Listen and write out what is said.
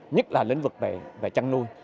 nhất là lĩnh vực về chăn nuôi